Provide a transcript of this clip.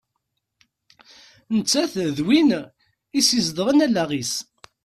Nettat d win i as-izedɣen allaɣ-is.